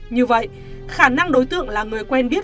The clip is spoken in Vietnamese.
như vậy khả năng đối tượng là người quen biết